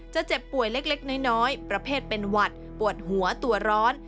เจ็บป่วยเล็กน้อยประเภทเป็นหวัดปวดหัวตัวร้อน